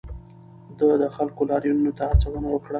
ده د خلکو لاریونونو ته هڅونه وکړه.